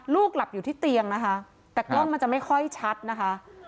หลับอยู่ที่เตียงนะคะแต่กล้องมันจะไม่ค่อยชัดนะคะ